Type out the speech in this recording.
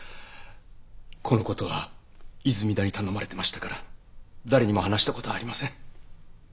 この事は泉田に頼まれてましたから誰にも話した事はありません。